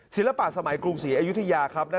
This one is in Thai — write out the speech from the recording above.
ศิลปะสมัยกรุงศรีอยุธยาครับ